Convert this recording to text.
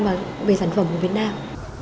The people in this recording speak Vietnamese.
và về sản phẩm của việt nam